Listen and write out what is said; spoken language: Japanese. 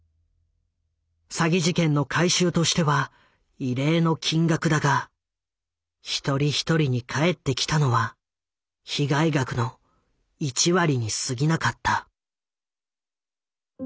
詐欺事件の回収としては異例の金額だが一人一人に返ってきたのは被害額の１割にすぎなかった。